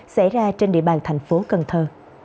xảy ra trên địa bàn thành phố cần thơ